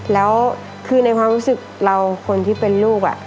แล้วคือในความรู้สึกเราคนที่เป็นลูก